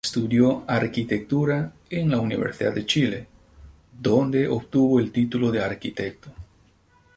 Estudió Arquitectura en la Universidad de Chile, donde obtuvo el título de arquitecto.